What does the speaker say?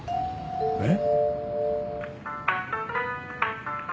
えっ？